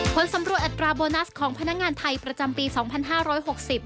ผลสำรวจอัตราโบนัสของพนักงานไทยประจำปีสองพันห้าร้อยหกสิบ